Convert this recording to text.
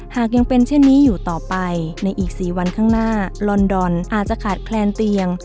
หากยังเป็นเช่นนี้อยู่ต่อไปในอีก๔วันข้างหน้าลอนดอนอาจจะขาดแคลนเตียง